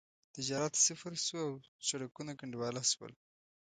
تجارت صفر شو او سړکونه کنډواله شول.